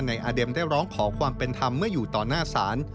นายอาเด็มได้ร้องขอความเป็นธรรมเมื่ออยู่ต่อหน้าศาล